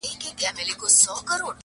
دغه ګناه مي لویه خدایه په بخښلو ارزي-